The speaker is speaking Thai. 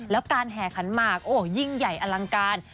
แล้วการแห่ขันหมากโอ้โหยิ่งใหญ่อลังการ